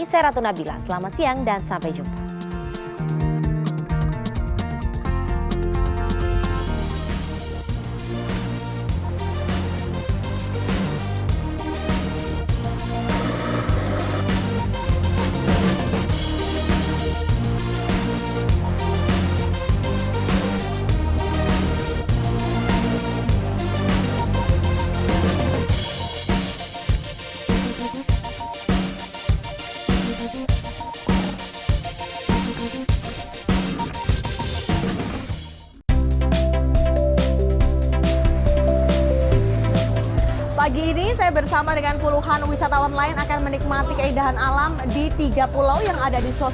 saya ratu nabila selamat siang dan sampai jumpa